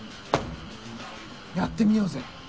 やってみようぜ。